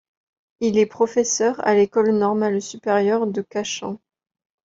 Il est professeur à l'École normale supérieure de Cachan.